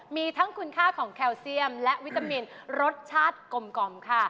มีทั้งคุณค่าของแคลเซียมและวิตามินรสชาติกลมค่ะ